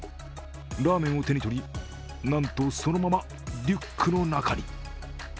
ラーメンを手にとり、なんとそのままリュックの中に。